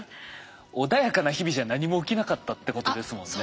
穏やかな日々じゃ何も起きなかったってことですもんね。